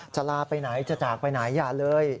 ลาไปไหนจะจากไปไหนอย่าเลย